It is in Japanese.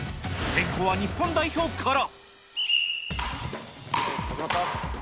先攻は日本代表から。